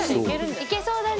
いけそうだね。